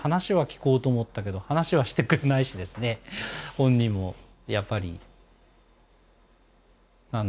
本人もやっぱり。